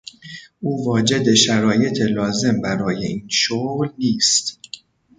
او واجد شرایط لازم برای این شغل نیست.